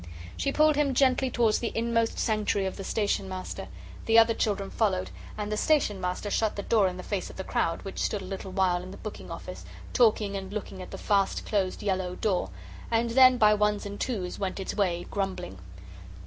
She pulled him gently towards the inmost sanctuary of the Station Master. The other children followed, and the Station Master shut the door in the face of the crowd, which stood a little while in the booking office talking and looking at the fast closed yellow door, and then by ones and twos went its way, grumbling.